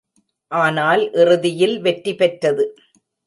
ஆனால் இறுதியில் வெற்றி பெற்றது!